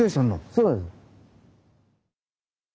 そうです。